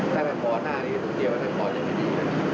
ถ้ามันพอหน้านี้คุณธรรมเดียวมันพอยังไม่ดี